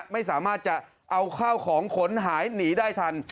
ไม่สามารถจะเอาข้าวของขนหายหนีได้ทัน